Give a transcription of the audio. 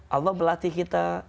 allah melatih kita